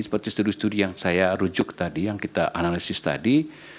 seperti studi studi yang saya rujuk tadi yang kita analisis tadi